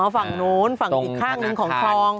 ฝั่งนู้นฝั่งอีกข้างหนึ่งของคลอง